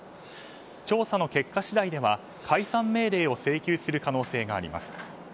調査の結果次第では解散命令を請求する可能性があります。